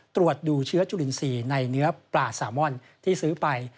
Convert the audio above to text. ตรวจดูเชื้อจุลินทรีย์ในเนื้อปลาสามอนที่ซื้อไป